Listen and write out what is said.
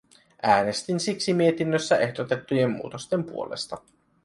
Äänestin siksi mietinnössä ehdotettujen muutosten puolesta.